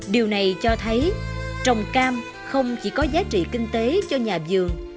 điều này cho thấy trồng cam không chỉ có giá trị kinh tế cho nhà vườn